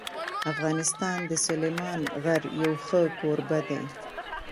افغانستان د سلیمان غر یو ښه کوربه دی.